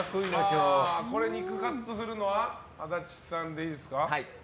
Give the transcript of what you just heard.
これ肉カットするのは足立さんでいいですか？